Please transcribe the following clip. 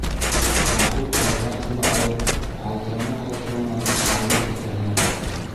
Яҡуп рогатканы алып, ҡалтырана-ҡалтырана, салбар кеҫәһенә тыҡты.